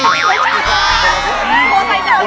โรงเรียน